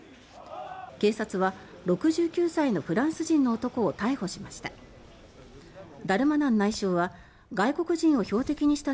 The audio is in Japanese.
警察は６９歳のフランス人の男を逮捕しました。